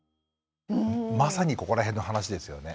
まさにここら辺の話ですよね。